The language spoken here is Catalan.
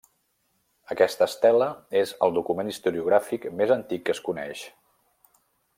Aquesta estela és el document historiogràfic més antic que es coneix.